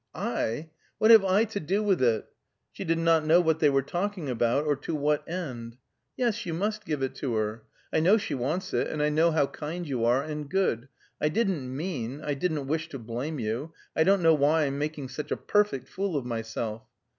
"I? What have I to do with it?" She did not know what they were talking about, or to what end. "Yes, you must give it to her. I know she wants it. And I know how kind you are, and good. I didn't mean I didn't wish to blame you I don't know why I'm making such a perfect fool of myself."